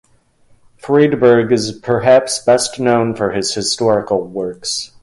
Friedberg is perhaps best known for his historical works.